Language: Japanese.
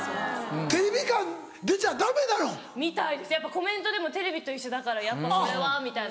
コメントでも「テレビと一緒だからこれは」みたいな。